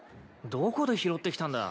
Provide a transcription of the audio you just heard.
どこで拾ってきたんだ？